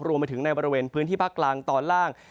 รวมไปถึงในบริเวณพื้นที่ภาคกลางตอนล่าง